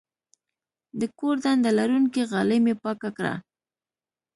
د کور ډنډه لرونکې غالۍ مې پاکه کړه.